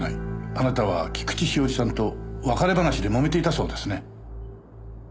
あなたは菊地詩織さんと別れ話で揉めていたそうですね？